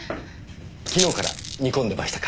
昨日から煮込んでましたか？